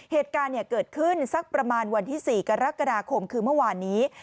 เหตุการณ์เกิดขึ้นสักประมาณวันที่๔กรกฎาคมคือเมื่อวานนี้